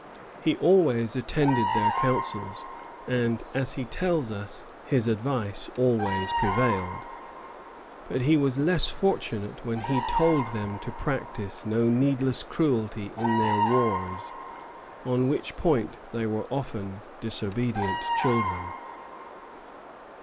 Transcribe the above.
He always attended their councils, and, as he tells us, his advice always prevailed; but he was less fortunate when he told them to practise no needless cruelty in their wars, on which point they were often disobedient children.